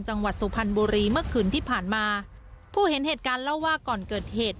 จังหวัดสุพรรณบุรีเมื่อคืนที่ผ่านมาผู้เห็นเหตุการณ์เล่าว่าก่อนเกิดเหตุ